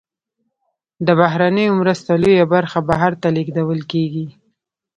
د بهرنیو مرستو لویه برخه بهر ته لیږدول کیږي.